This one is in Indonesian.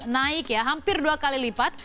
naik ya hampir dua kali lipat